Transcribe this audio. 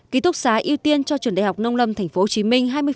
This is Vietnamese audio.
ký túc xá ưu tiên cho trường đại học nông lâm tp hcm